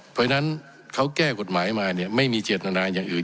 เพราะฉะนั้นเขาแก้กฎหมายมาเนี่ยไม่มีเจตนาอย่างอื่น